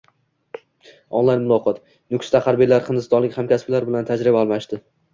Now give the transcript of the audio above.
Onlayn muloqot: Nukusda harbiylar hindistonlik hamkasblari bilan tajriba almashdi